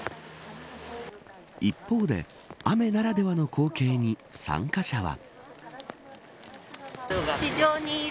一方で雨ならではの光景に参加者は。